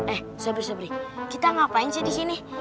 eh sabri sabri kita ngapain sih disini